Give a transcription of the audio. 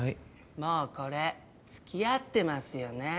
もうこれ付き合ってますよね。